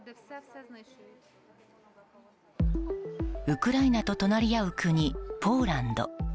ウクライナと隣り合う国ポーランド。